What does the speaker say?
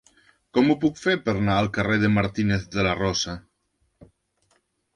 Com ho puc fer per anar al carrer de Martínez de la Rosa?